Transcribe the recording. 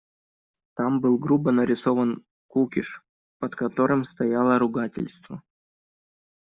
Там был грубо нарисован кукиш, под которым стояло ругательство.